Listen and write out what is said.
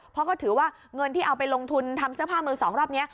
เพราะก็ถือว่าเงินที่เอาไปลงทุนทำเสื้อผ้ามือสองรอบนี้